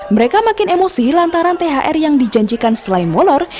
mereka makin emosi lantaran thr yang dijanjikan selain molor